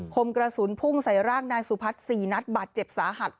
คมกระสุนพุ่งใส่ร่างนายสุพัฒน์๔นัดบาดเจ็บสาหัส